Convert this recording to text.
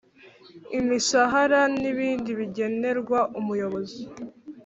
Imishahara n ibindi bigenerwa Umuyobozi